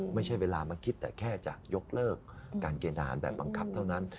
ไม่ใช่เวลามันคิดแต่แค่จะยกเลิกการเกณฑ์ทหารแบบบังคับเท่านั้น